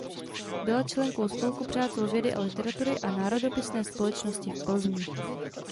Byla členkou Spolku přátel vědy a literatury a Národopisné společnosti v Plzni.